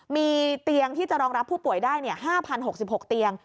มีเตียงที่จะรองรับผู้ป่วยได้๕๐๖๖เตียง